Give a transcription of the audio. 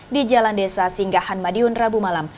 di jalan desa singgahan madiun rabu malam